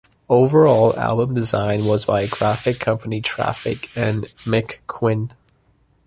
Overall album design was by graphic company Traffic and Mick Quinn.